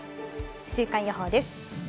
週間予報です。